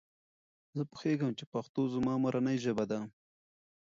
زه پوهیږم چې پښتو زما مورنۍ ژبه ده.